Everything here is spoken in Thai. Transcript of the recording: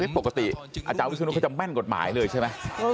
ปกติอาจารย์วิศนุเขาจะแม่นกฎหมายเลยใช่ไหม